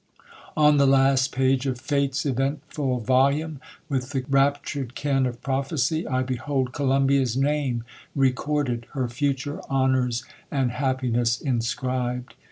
On the last page of Fate's eventful volume, with the raptured ken of prophecy , 1 behold Columbia's name re cprded 5 her future honors and happiness inscribed.